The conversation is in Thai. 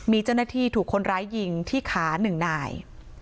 มีเจ้าหน้าที่ถูกคนร้ายยิงที่ขา๑นาย